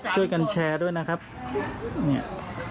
นั่นจะตายอยู่แล้ว